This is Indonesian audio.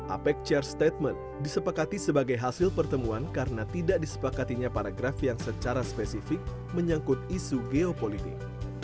apec chair statement disepakati sebagai hasil pertemuan karena tidak disepakatinya paragraf yang secara spesifik menyangkut isu geopolitik